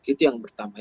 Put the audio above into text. itu yang pertama